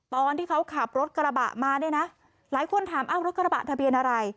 ตอนที่เขาขับรถกระบะมาเนี่ยนะหลายคนถามอ้าวรถกระบะทะเบียนอะไร